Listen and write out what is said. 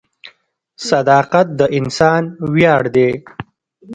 • صداقت د انسان ویاړ دی.